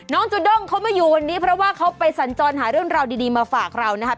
จูด้งเขามาอยู่วันนี้เพราะว่าเขาไปสัญจรหาเรื่องราวดีมาฝากเรานะครับ